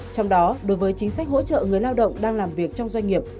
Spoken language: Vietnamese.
trong đó đối với chính sách hỗ trợ người lao động đang làm việc trong doanh nghiệp